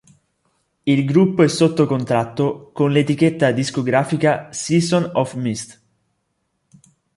Il gruppo è sotto contratto con l'etichetta discografica Season of Mist.